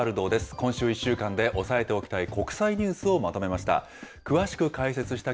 今週１週間で押さえておきたい国際ニュースをまとめました。